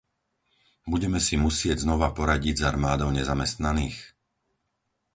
Budeme si musieť znova poradiť s armádou nezamestnaných?